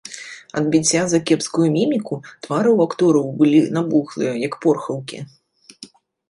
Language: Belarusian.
Ад біцця за кепскую міміку твары ў актораў былі набухлыя, як порхаўкі.